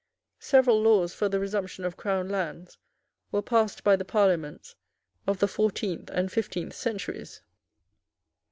Several laws for the resumption of Crown lands were passed by the Parliaments of the fourteenth and fifteenth centuries.